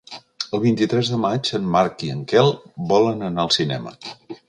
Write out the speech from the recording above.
El vint-i-tres de maig en Marc i en Quel volen anar al cinema.